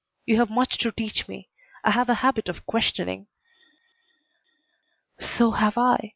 You have much to teach me. I have a habit of questioning " "So have I.